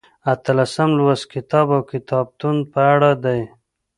اتلسم لوست کتاب او کتابتون په اړه دی.